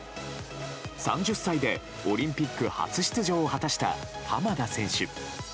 ３０歳で、オリンピック初出場を果たした濱田選手。